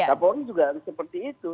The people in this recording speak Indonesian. kapolri juga seperti itu